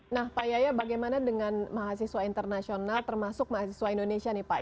nah pak yaya bagaimana dengan mahasiswa internasional termasuk mahasiswa indonesia nih pak